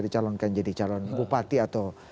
dicalonkan jadi calon bupati atau